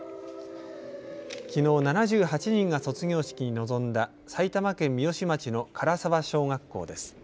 きのう、７８人が卒業式に臨んだ埼玉県三芳町の唐沢小学校です。